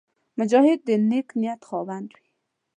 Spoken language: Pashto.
مجاهد د نېک نیت خاوند وي.